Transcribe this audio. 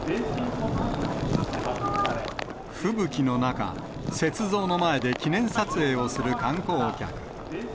吹雪の中、雪像の前で記念撮影をする観光客。